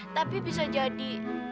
tapi bisa jadi